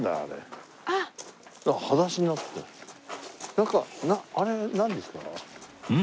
なんかあれなんですか？